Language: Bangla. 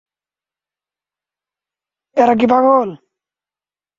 এরা কি পাগল?